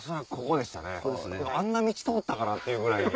でもあんな道通ったかな？っていうぐらい。